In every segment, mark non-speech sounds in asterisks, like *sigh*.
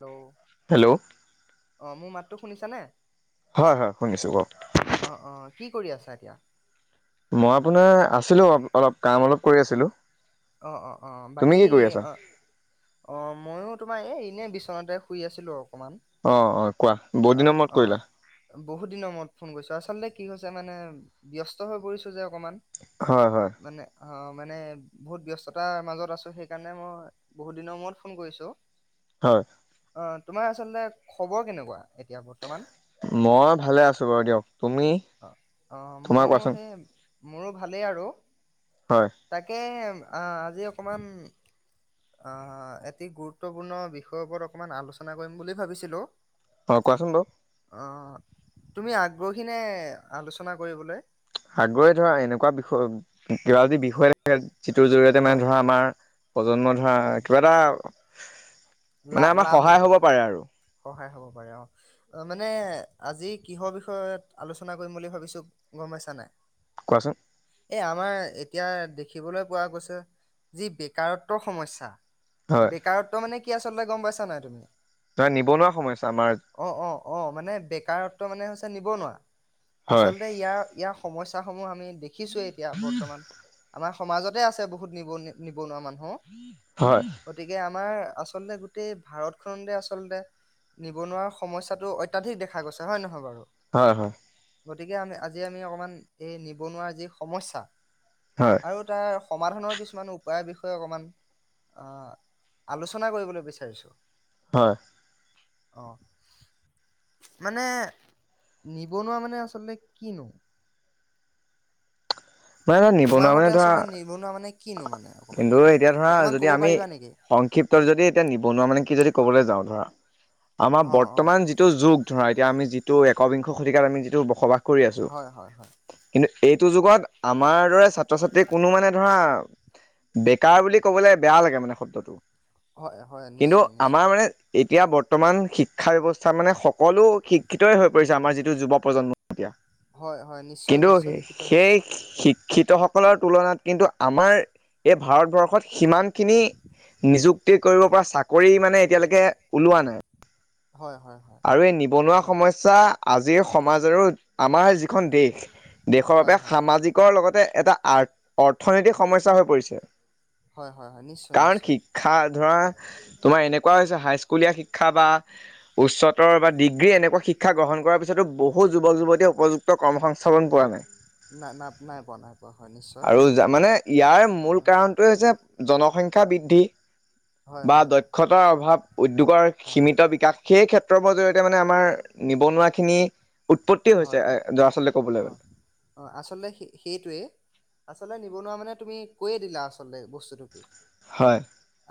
Hello hello. অ মোৰ মাতটো শুনিছানে। হয় হয় শুনিছোঁ কওক। অ অ কি কৰি আছা এতিয়া। মই আপোনাৰ আছিলোঁ অ অলপ কাম অলপ কৰি আছিলোঁ। অ অ অ তুমি বাকী কি কৰি আছা অ অ ময়ো তোমাৰ এই এনে বিচনাতে শুই আছিলোঁ। অ অ অঁ অঁ কোৱা বহুত দিনৰ মূৰত অ কৰিলা বহুত দিনৰ মূৰত ফোন কৰিছোঁ আচলতে। কি হৈছে মানে ব্যস্ত হৈ পৰিছোঁ যে। অকণমান হয় হয় মানে। অ মানে। বহুত ব্যস্ততাৰ মাজত আছোঁ সেইকাৰণে মই বহুত দিনৰ মূৰত ফোন কৰিছোঁ। হয়। অ তোমাৰ আচলতে খবৰ কেনেকুৱা? এতিয়া বৰ্তমান মই ভালে আছো বাৰু দিয়ক তুমি অ অ তোমাৰ মইও কোৱাচোন সেই মোৰো ভালেই আৰু হয় তাকে। অ আজি অকমান অ এটি গুৰুত্বপূৰ্ণ বিষয়ৰ ওপৰত অকমান আলোচনা কৰিম বুলি ভাবিছিলো। অ কোৱাচোন বাৰু অঁ তুমি আগ্ৰহী নে। আলোচনা কৰিবলৈ। আগ্ৰহ ধৰা এনেকুৱা বিষয় কিবা যদি বিষয় থাকে। যিটোৰ জৰিয়তে হয় মানে ধৰা আমাৰ প্ৰজন্ম ধৰা কিবা এটা, লা মানে আমাৰ সহায় হ'ব পাৰে আৰু হয় অ, মানে আজি কিহৰ বিষয়ত আলোচনা কৰিম বুলি ভাবিছো গম পাইছা নাই। কোৱা চোন? এই আমাৰ এতিয়া দেখিবলৈ পোৱা গৈছে যি বেকাৰত্ব সমস্যা। হয় বেকাৰত্ব মানে কি? কি আচলতে গম পাইছ নাই তুমি? ধৰা নিবনুৱা সমস্যা আমাৰ অ অ অ মানে বেকাৰত্ব মানে হৈছে নিবনুৱা। হয় আচলতে ইয়াৰ ইয়াক সমস্যাসমূহ আমি দেখিছোৱে এতিয়া বৰ্তমান। আমাৰ সমাজতে আছে বহুত নিবনু নিব- নিবনুৱা মানুহ হয় গতিকে আম- আমাৰ আচ- আচলতে গোটেই ভাৰতখনতে আচলতে নিবনুৱা সমস্যাটো অত্যাধিক দেখা গৈছে হয় নহয় বাৰু? হয়, হয়। গতিকে আমি আজি আমি অকণমান এই নিবনুৱাৰ যি সমস্যা। হয় আৰু তাৰ সমাধানৰ কিছুমান উপায়ৰ বিষয়ে অকমান আলোচ- আলোচনা কৰিব বিচাৰিছোঁ। হয়। অ মানে নিবনুৱা মানে আচলতে কিনো? নহয় তোমাৰ নিবনুৱা মতে মানে আচলতে ধৰা- নিবনুৱা মানে কিনো মানে অকমান কিন্তু এতিয়া ধৰা অকমান যদি ক'ব আমি পাৰিবা নেকি সংক্ষিপ্ত যদি এতিয়া নিবনুৱা মানে কি যদি ক'বলৈ যাওঁ ধৰা। আমাৰ অ অ বৰ্তমান যিটো যুগ ধৰা এতিয়া আমি যিটো কবিংশ শতিককাৰ আমি যিটো বসবাস কৰি আছোঁ। হয় হয় হয় কিন্তু এইটো যুগত আমাৰ দৰে ছাত্ৰ-ছাত্ৰী কোনো মানে ধৰা, বেকাৰ বুলি কবলে বেয়া লাগে মানে শব্দটো। হয় হয় কিন্তু নিশ্চয় আমাৰ নিশ্চয় মানে এতিয়া বৰ্তমান শিক্ষা ব্যৱস্থা মানে সকলো শিক্ষিতই হৈ পৰিছে। আমাৰ যিটো যুৱ প্ৰজন্ম হয় হয় নিশ্চয় কিন্তু নিশ্চয় শিক্ষিত হৈছে সেই শিক্ষিত সক- সকলৰ তুলনাত কিন্তু আমাৰ এই ভাৰতবৰ্ষত সিমান খিনি নিযুক্তি কৰিব পৰা চাকৰি মানে এতিয়ালৈকে ওলোৱা নাই। হয় হয় হয় আৰু এই নিবনুৱা সমস্যা। আজিৰ সমাজৰো, আমাৰ যিখন দেশ দেশৰ হয় বাবে হয় সামাজিকৰ লগতে এটা আথ অৰ্থনৈতিক সমস্যা হৈ পৰিছে। হয় হয় হয় নিশ্চয় কাৰণ নিশ্চয় শিক্ষা ধৰা তোমাৰ এনেকুৱা হৈছে হাইস্কুলীয়া শিক্ষা বা উচ্চতৰ বা ডিগ্ৰী এনেকুৱা শিক্ষা গ্ৰহণ কৰাৰ পিছতো বহু যুৱক যুৱতীয়ে উপযুক্ত কৰ্ম সংংস্থাপন পোৱা নাই। নাই নাই নাই পোৱা নাই পোৱা হয় নিশ্চয় আৰু মানে ইয়াৰ মূল হয় কাৰণটোৱে হৈছে জনসংখ্যা বৃদ্ধি হয় বা হয় দক্ষতাৰ অভাৱ উদ্যোগৰ হয় সীমিত বিকাশ সেই ক্ষেত্ৰত জৰিয়তে মানে আমাৰ নিবনুৱা খিনি উৎপত্তি হৈছে হয় আচলতে ক'বলৈ অ গ'লে অ আচলতে সেইটোৱে আচলতে নিবনুৱা মানে তুমি কৈয়ে দিলা আচলতে বস্তুত কি হয়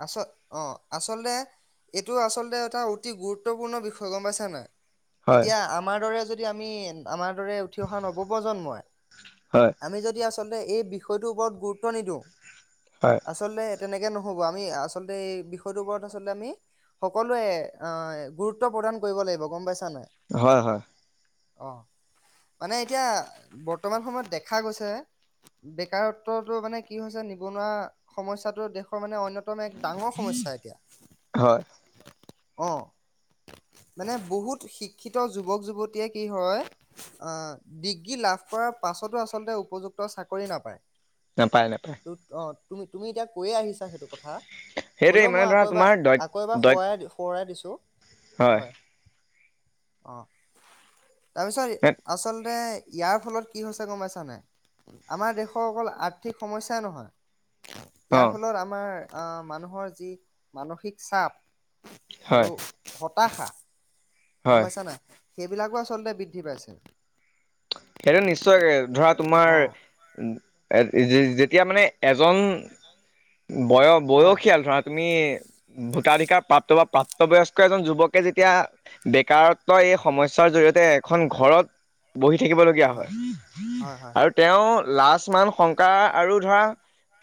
আচল অ আচলতে এইটো আচলতে এটা অতি গুৰুত্বপূৰ্ণ বিষয় গম পাইছা নাই। হয় এতিয়া আমাৰ দৰে যদি যদি আমি আমাৰ উঠি অহা নৱপ্ৰজন্মই হয় আমি যদি আচ আচলতে এই বিষয়টোৰ ওপৰত গুৰুত্ব নিদিওঁ হয় আচলতে তেনেকে নহব আমি আচলতে এই বিষয়টোৰ ওপৰত আচলতে আমি সকলোৱে অহ গুৰুত্ব প্ৰদান কৰিব লাগিব গম পাইছা নাই হয় হয় অ মানে এতিয়া বৰ্তমান সময়ত দেখা গৈছে বেকাৰত্বতো মানে কি হৈছে নিবনুৱা সমস্যাটো দেশৰ মানে অন্যতম। প্ৰথম এক ডাঙৰ সমস্যা এতিয়া হয় অ মানে বহুত শিক্ষিত যুৱক যুৱতী য়ে কি হয় অহ ডিগ্ৰী লাভ কৰাৰ পাছতো আচলতে উপযুক্ত চাকৰি নাপায় নাপায় নাপায় অ তুমি তুমি এতিয়া কৈয়ে আহিছা সেইটো কথা সেইটোৱে হলেও মানে মই ধৰা আকৌ এবাৰ তোমাৰ দ আকৌ এবাৰ দ সোঁৱাই সোঁৱৰাই দিছো হয় অ তাৰ পিছত আচলতে ইয়াৰ ফলত কি হৈছে গম পাইছা নাই, আমাৰ দেশৰ অকল আৰ্থিক সমস্যাই নহয় অ ইয়াৰ ফলত আমাৰ আহ, মানুহৰ যি মানসিক চাপ হয় আৰু সত পাহা *unintelligible* গম হয় পাইছা নাই? সেইবিলাকো আচলতে বৃদ্ধি পাইছে। সেইটো নিশ্চয়, ধৰা তোমাৰ অ এ যেতিয়া মানে এজন হয় বয়-বয়সিয়াল ধৰা তুমি- ভোতাধিকাৰ প্ৰাপ্ত বা প্ৰাপ্তবয়স্ক এজন যুৱকে, যেতিয়া বেকাৰত্ব এই সমস্যাৰ জৰিয়তে এখন ঘৰত বহি থাকিবলগীয়া হয় হয় হয় আৰু তেওঁ লাজ, মান, শংকা আৰু ধৰা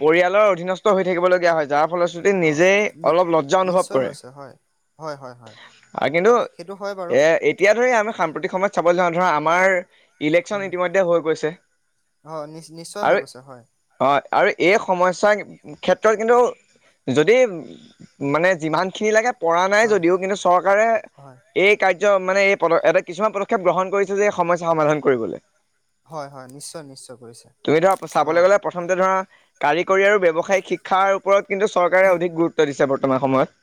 পৰিয়ালৰ অধীনস্থ হৈ থাকিবলগীয়া হয়, যাৰ ফলশ্ৰুতি অ নিজেই নি অলপ লজ্জা অনুভৱ নিশ্চয় কৰে। হৈছে হয় হয় হয় হয় কিন্তু, সেইটো হয় বাৰু এ এতিয়া ধৰি আমি সাম্প্ৰতিক সময়ত চাবলৈ যাওঁ, ধৰা আমাৰ ইলেকশ্যন উম ইতিমধ্যে হৈ গৈছে, হয় নি নিশ্চয় হৈ আৰু গৈছে হয় অ আৰু এই সমস্যাৰ ক্ষেত্ৰত কিন্তু, যদি মানে যিমানখিনি লাগে পৰা নাই হয় যদিও, কিন্তু চৰকাৰে হয় এই কাৰ্য *unintelligible* মানে এই পদত কিছুমান পদক্ষেপ গ্ৰহণ কৰিছে যে সমস্যা সমাধান কৰিবলৈ। হয়-হয়, নিশ্চয়-নিশ্চয় কৰিছে, অ'হ কাৰি *unintelligible* কাৰিকৰী আৰু ব্যৱসায়িক শিক্ষাৰ ওপৰত কিন্তু চৰকাৰে অধিক গুৰুত্ব দিছে বত বৰ্তমান সময়ত।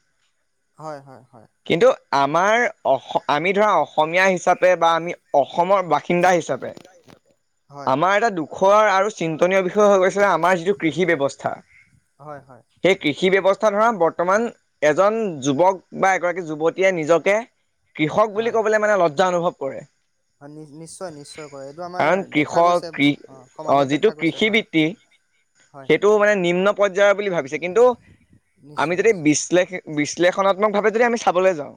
হয়-হয়-হয় কিন্তু আমাৰ অস, আমি ধৰা অসমীয়া হিচাপে বা আমি অস অসমৰ বাসিন্দা হিচাপে, হয় আমাৰ এটা দুখৰ আৰু চিন্তনীয় বিষয় হৈ গৈছিলে আমাৰ যিটো কৃষি ব্যৱস্থা, হয় হয় সেই কৃষি ব্যৱস্থা ধৰা বত তমান এজন যুৱক বা এগৰাকী যুৱতীয়ে নিজকে কৃষক বুলি হয় কবলে মানে লজ্জা অনুভৱ কৰে। নিশ্চয়-নিশ্চয় কৰে, এইটো কাৰণ আমাৰ দেখা কৃষক গৈছে কৃ অ সমাজত যিটো দেখা গৈছে, কৃষিবৃত্তি হয়-হয়। সেইটো মানে নিম্ন পৰ্যায়ত বুলি ভাবিছে, কিন্তু আমি নিশ্চয় যদি নিশ্চয় বিশ্লেষ-বিশ্লেষ বিশ্লেষণাত্মক ভাৱে যদি আমি চাবলৈ যাওঁ।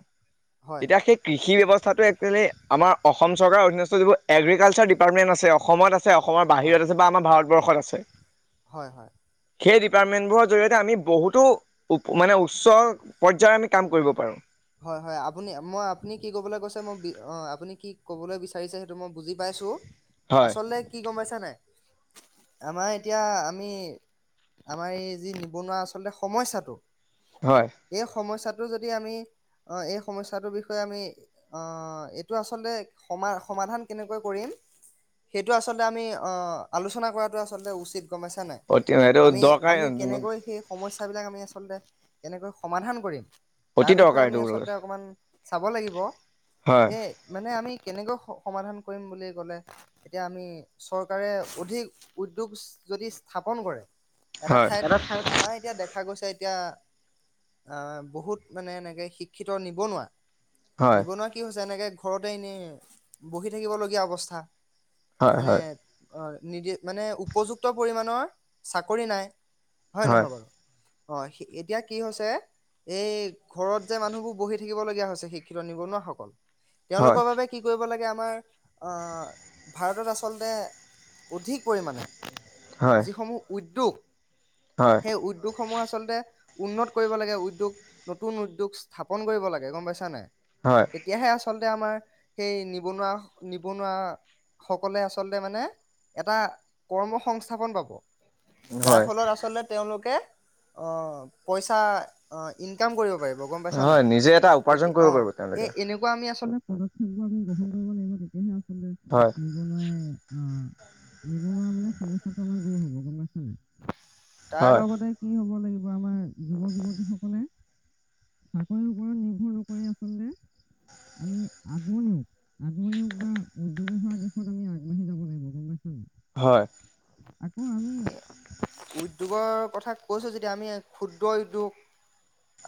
হয় তেতিয়া সেই কৃষি ব্যৱস্থাটো একচোৱেলি আমাৰ অসম চৰকাৰধনস্থ যিবোৰ এগ্ৰিকালচাৰ ডিপাৰ্টমেট আছে। সময়ত আছ আছে অসমৰ হয় বাহিৰত আছে বা আমাৰ ভাৰত বৰ্ষত আছে। হয় হয়। সেই ডিপাৰ্টমেন্টবোৰৰ জৰিয়তে আমি বহুতো মানে উচ্চ পৰ্যয়ৰ আমি কাম কৰিব পাৰোঁ। হয় হয় আপুনি মই আপুনি কি কবলৈ কৈছে মই অ আপুনি কি কবলৈ বিচাৰিছে সেইটো মই বুজি পাইছো। হয় আচলতে কি গম পাইছে। আমাৰ এতিয়া আমি আমাৰ এই যি নিবনুৱা আচলতে সমস্যাটো হয় এই সমস্যাত টো যদি আমি আহ এই সমস্যাটোৰ বিষয়ে আমি আহ এইটো আচলতে সমা সমাধান কেনেকৈ কৰিম সেইটো আচলতে আমি আহ আলোচনা কৰাটো আচলতে উচিত। গম পাইছা নাই অতি এইটো আমি দৰকাৰ আমি কেনেকৈ সেই সমস্য সেইবিলাক আমি আচলতে এনেকৈ সমাধান কৰিম তাৰ অতি বিষয়ে দৰকাৰ। আমি এইটো আচলতে অকণমান। চাব লাগিব। হয় এ মানে আমি কেনেকৈ সমাধান কৰিম বুলি কলে এতিয়া আমি চৰকাৰে অধিক উদ্যোগ যদি স্থাপন কৰে। এটা হয় ঠাইত আমাৰ এতিয়া দেখা গৈছে। এতিয়া অ' বহুত মানে এনেকে শিক্ষিত নিবনুৱা হয় নিবনুৱা কি হৈছে এনেকে? ঘৰতে এনেই, বহি থাকিবলগীয়া অৱস্থা। হয় মানে, হয় অ'! নিদি, মানে উপযুক্ত পৰিমাণৰ চাকৰি নাই। হয় নহয় বাৰু অ 'এতিয়া কি হৈছে এই ঘৰত যে মানুহবোৰ বহি থাকিব লগীয়া হৈছে শিক্ষিত নিবনুৱাসকল। হয় তেওঁলোকৰ বাবে কি কৰিব লাগে আম আমাৰ ভাৰতত আচলতে অধিক পৰিমাণে হয় যিসমূহ উদ দুু হয় সেই উদ্যোগ সমূহ আচলতে উন্নত কৰিব লাগে উদ্যোগ নতুন উদ্যোগ স্থাপন কৰিব লাগে গম পাইছা নাই। হয় তেতিয়াহে আচল আমাৰ সেই নিবনুৱা নিবনুৱা সকলে আচলতে মানে এটা কৰ্ম সংস্থাপন পাব। যাৰ হয় ফলত আচলতে তেওঁলোকে অ পইচা অ ইনকাম কৰিব পাৰিব গম পা হয় নিজে এটা উপাৰ্জন কৰিব পাৰিব তেওঁলোকে। পদক্ষেপোৰ আমি গ্ৰহণ কৰিব লাগিব তেতিয়াহে আ *unintelligible* হয়। অ নিবনুৱা মানে সমস্যাটো আমাৰ দূৰ হব গম পাইছা নাই? তাৰ হয় লগতে কি হ'ব লাগিব আমাৰ যুৱক যুৱতীসকলে চাকৰি ওপৰত নিৰ্ভৰ নকৰি আচলতে আমি আগমও আগ উদৰি হোৱা দিশত আমি আগবাঢ়ি যাব লাগিব গম পাইছ নাই হয়। আকৌ আমি উদ্যোগৰ কথা কৈছো যেতিয়া আমি ক্ষুদ্ৰ উদ্যোগ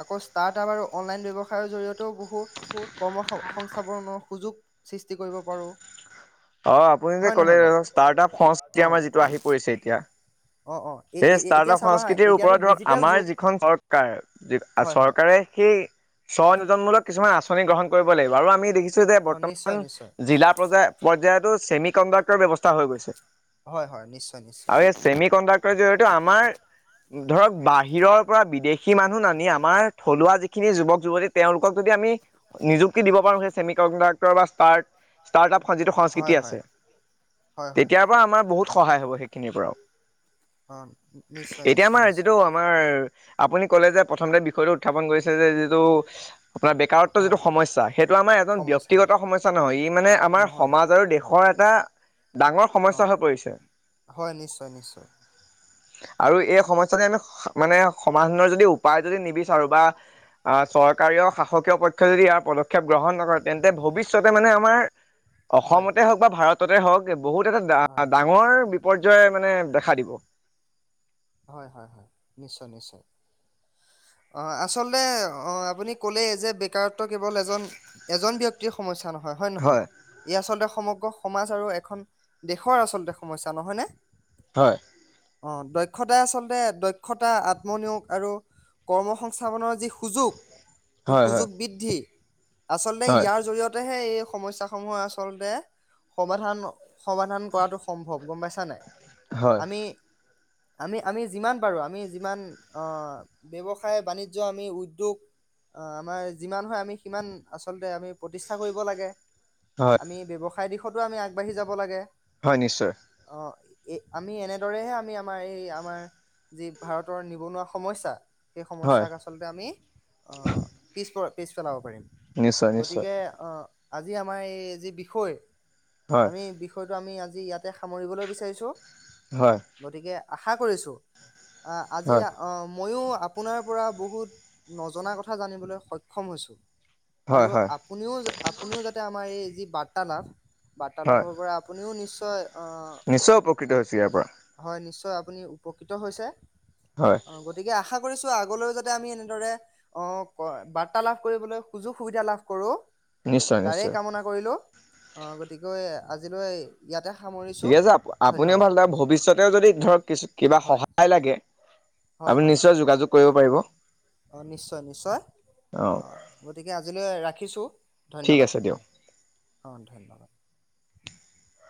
আকৌ ষ্টাৰ্টপ আৰু অনলাইন ব্যৱসায়ৰ জৰিয়তেও বহুত কৰ্ম স- সংস্থাপনৰ সুযোগ সৃষ্টি কৰিব পাৰোঁ। অ আপুনি যে ক'লে ষ্টাৰ্টআপ সংস্কৃতি অ আমাৰ যিটো আহি পৰিছে এতিয়া। অ অ এ সেই এতিয়া ষ্টাৰ্টআপ চাবা হা সংস্কৃতিৰ এতিয়াতো ওপৰত ধৰক ডিজিটেল আমাৰ যুগ যিখন চৰকাৰ- হয় হয় চৰকাৰে সেই স্ব নিজনমূলক কিছুমান আ আমি গ্ৰহণ কৰিব লাগিব আৰু আমি দেখিছো যে অ বৰ্তমান নিশ্চয় নিশ্চয় জিলা পৰ্য্যায় যিহেটো চেমি কণ্ডাক্টৰ ব্যৱস্থা হৈ গৈছে। হয় হয় নিশ্চয় নিশ্চয় আৰু এই ছেমি কণ্ডাক্টৰ জৰি়য়েতো আমাৰ ধৰক বাহিৰৰ পৰা বিদেশী মানুহ নানি আমাৰ থলুৱা যিখিনি যুৱক যুৱতী তেওঁলোকক যদি আমি নিযুক্তি দিব পাৰো সেই semi conductor start start up যিটো সংস্কৃতি হয় হয় আছে হয় হয় তেতিয়াৰ পৰা আমাৰ বহুত সহায় হ'ব সেইখিনিৰ পৰাও। অ নিশ্চয় এতিয়া নিশ্চয় আমাৰ নিশ্চয় যিটো আমাৰ আপুনি কলে যে প্ৰথমতে বিষয়টো উত্থাপন কৰিছে যে যিটো আপোনাৰ বেকাৰত্ব যিটো হয় সমস্যা সেইটো আমাৰ এজন ব্যক্তিগত সমস্যা নহয় ই মানে আমাৰ নহয় সমাজ আৰু দেশৰ এটা ডাঙৰ অ সমস্যা হৈ পৰিছে। হয় নিশ্চয় নিশ্চয় আৰু এই সমস্্যাতে আমি মানে সমাধানৰ যদি উপায় যদি নিবিচাৰো বা আহ চৰকাৰীয় শাসকীয় পক্ষই যদি ইয়াৰ পদক্ষেপ গ্ৰহণ নকৰে তেন্তে ভৱিষ্যতে মানে আমাৰ। হয় অসমতে হওক বা ভাৰত তে হওক বহুত এটা হয় ডাঙৰ বিপৰ্যয় মানে দেখা দিব। হয় হয় হয় নিশ্চয় নিশ্চয় অ আচলতে অ আপুনি কলে যে এককাৰত্ব কেৱল এজন এজন ব্যক্তিৰ সমস্যা নহয়। হয় হয় নহয় এই আচলতে সমগ সমাজ আৰু এখন দেশৰ আচলতে সমস্যা নহয় নে হয় অ তয় হদাই আচলতে দক্ষতা আত্মনিয়োগ আৰু কৰ্ম সংংস্থাপনৰ যি সুযোগ সেই হয় হয় সুযোগ বৃদ্ধি আচলতে হয় ইয়াৰ জৰিয়তে সে এই সমস্যাস সমূহ আচলতে সমাধান সমাধান কৰাটো সম্ভৱ গম পাইছা নাই হয় আমি আমি আমি যিমান পাৰো আমি যিমান আহ ব্যৱসায় বাণিজ্য আমি উদ্যোগ আমাৰ যিমান হয় আমি সিমান আচলতে আমি প্ৰতিষ্ঠা কৰিব লাগে। হয় আমি ব্যৱসায় তাৰ দিশত আমি আগবাঢি যাব লাগে। হয় নিশ্চয় অ এ আমি এনেদৰেহে আমি আমাৰ এই আমাৰ যি ভাৰতৰ নিবনুৱা সমস্যা সেই হয় সমস্যাক আচলতে আমি আহ পিছপ পিছ পেলাব পাৰিম। নিশ্চয় নিশ্চয় গতিকে আহ আজি আমাৰ এই যি বিষয় হয় আমি বিষয় আমি আজি ইয়াতে সামৰিবলৈ বিচাৰিছো হয় গতিকে আশা কৰিছোঁ অ আজি হয় অ ময়ো আপোনাৰ পৰা বহুত নজনা কথা জানিবলৈ সক্ষম হৈছো। হয় আৰু হয় আপুনিও আপুনিও যাতে আমাৰ এই যি বাৰ্তালাভ হয় বাৰ্তালাভৰ পৰা আপুনিও নিশ্চয় ক নিশ্চয় উপকৃত হৈছো ইয়াৰ পৰা। হয় নিশ্চয় আপুনি উপকৃত হৈছে। হয় অ গতিকে আশা কৰিছো আগলৈও যাতে আমি এনেদৰে অ বাৰ্তা লাভ কৰিবলৈ সুযোগ সুবিধা লাভ কৰো। নিশ্চয় তাৰে নিশ্চয় কামনা কৰিলো অ গতিকে আজিলৈ ইয়াতে সামৰিছো *unintelligible* আপুনিও ধন্যবাদ ভাল লাগে ভৱিষ্যতে যদি ধৰক কিছু কিবা হয় সহায় লাগে। হয় আমি হয় নিশ্চয় যোগাযোগ কৰিব পাৰিব। অ নিশ্চয় নিশ্চয় অ গতিকে আজিলৈ ৰাখ খিছু ঠিক ধন্যবাদ আছে দিয়ক অঁ ধন্যবাদ। *inaudible* *inaudible*